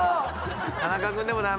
田中君でもダメ。